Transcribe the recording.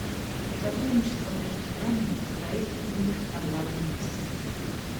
Сотрудничество между странами стоит среди них на главном месте.